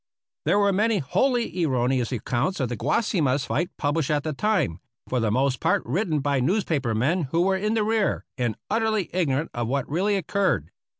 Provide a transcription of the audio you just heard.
There were many wholly erroneous accounts of the Guasimas fight published at the time, for the most part written by newspaper men who were in the rear and utterly ignorant of what really occurred.